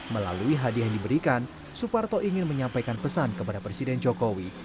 melalui hadiah yang diberikan suparto ingin menyampaikan pesan kepada presiden jokowi